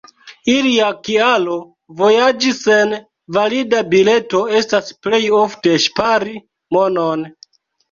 Ilia kialo vojaĝi sen valida bileto estas plej ofte ŝpari monon.